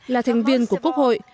là thành viên của quốc hội